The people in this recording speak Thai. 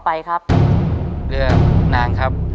ต้นไม้ประจำจังหวัดระยองการครับ